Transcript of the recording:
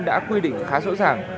đã quy định khá rõ ràng